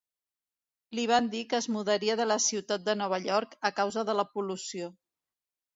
Li van dir que es mudaria de la ciutat de Nova York a causa de la pol·lució.